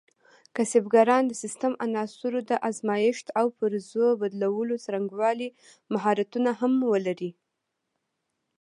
کسبګران د سیسټم عناصرو د ازمېښت او پرزو بدلولو څرنګوالي مهارتونه هم ولري.